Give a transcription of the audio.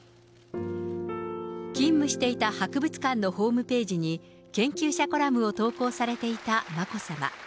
勤務していた博物館のホームページに、研究者コラムを投稿されていた眞子さま。